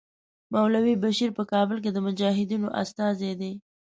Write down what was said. مولوي بشیر په کابل کې د مجاهدینو استازی دی.